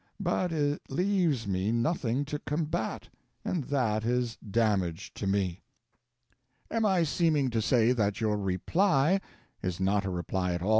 But it leaves me nothing to combat; and that is damage to me. Am I seeming to say that your Reply is not a reply at all, M.